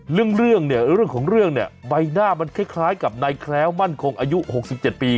เรื่องเนี่ยเรื่องของเรื่องเนี่ยใบหน้ามันคล้ายกับนายแคล้วมั่นคงอายุ๖๗ปี